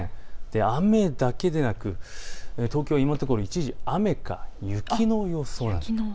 雨だけでなく東京、今のところ一時雨か雪の予想なんです。